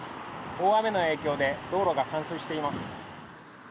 大雨の影響で、道路が冠水しています。